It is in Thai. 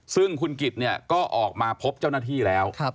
ซึ่งคุณกิจเนี่ยก็ออกมาพบเจ้าหน้าที่แล้ว